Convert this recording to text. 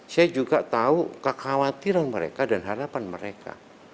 saya juga tahu kekhawatiran mereka dan harapan mereka